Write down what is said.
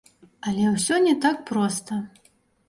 Але ўсё не так проста.